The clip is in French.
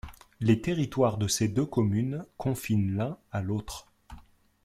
Les territoires de ces deux communes confinent l’un à l’autre.